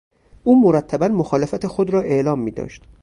او مرتبا مخالفت خود را اعلام میداشت.